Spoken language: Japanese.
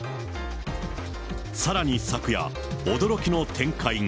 さらに昨夜、驚きの展開が。